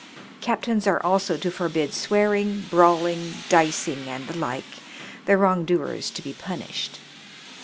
Captains, are also to forbid swear ing, brawling, dicing, and the like, the wrong doers to be punished.